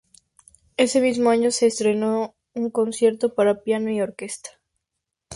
Ese mismo año se estrenó su concierto para piano y orquesta.